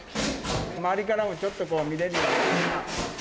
周りからもちょっとこう、見れるように。